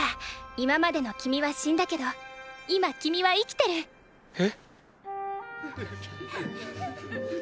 今までの君は死んだけど今君は生きてる。へ